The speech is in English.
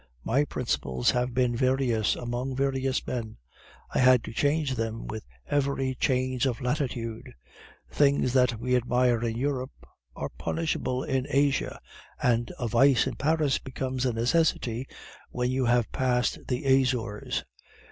My principles have been various, among various men; I had to change them with every change of latitude. Things that we admire in Europe are punishable in Asia, and a vice in Paris becomes a necessity when you have passed the Azores.